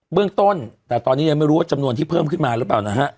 เรื่องต้นแต่ตอนนี้ยังไม่รู้ว่าจำนวนที่เพิ่มขึ้นมาหรือเปล่านะฮะ